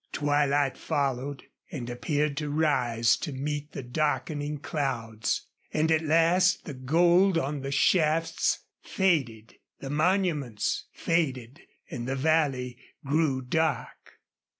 Twilight followed, and appeared to rise to meet the darkening clouds. And at last the gold on the shafts faded; the monuments faded; and the valley grew dark.